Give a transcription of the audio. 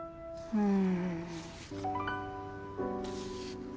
うん。